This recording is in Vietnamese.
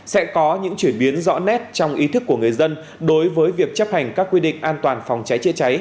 sẽ có những chuyển biến rõ nét trong ý thức của người dân đối với việc chấp hành các quy định an toàn phòng cháy chữa cháy